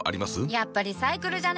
やっぱリサイクルじゃね？